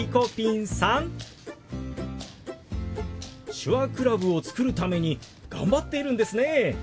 手話クラブを作るために頑張っているんですね。